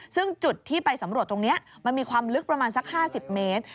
ซึ่งจุดที่ไปสำรวจตรงนี้มันมีความลึกประมาณสัก๕๐เมตร